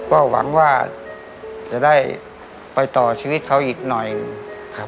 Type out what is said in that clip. ก็หวังว่าจะได้ไปต่อชีวิตเขาอีกหน่อยหนึ่งครับ